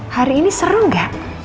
hari ini seru gak